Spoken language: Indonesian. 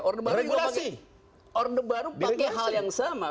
orde baru pakai hal yang sama